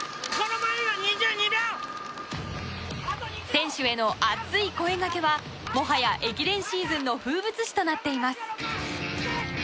選手への熱い声掛けはもはや駅伝シーズンの風物詩となっています。